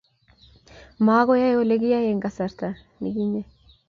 Makoyaye olikiyae eng kasarta ninginye